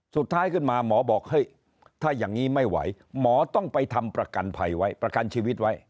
สุดท้ายขึ้นมาหมอบอกเฮ้ยถ้าอย่างนี้ไม่ไหวหมอต้องไปทำประกันภัยไว้ประกันชีวิตไว้